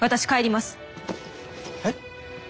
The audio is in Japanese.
えっ？